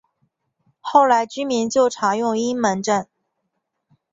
后来民军就常用阴门阵。